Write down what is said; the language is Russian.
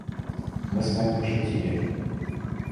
Мы с вами пошутили.